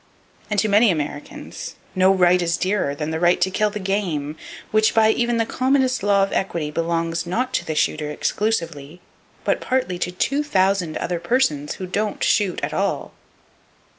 And to many Americans, no right is dearer than the right to kill the game which by even the commonest law of equity belongs, not to the shooter exclusively, but partly to two thousand other persons who don't shoot at all!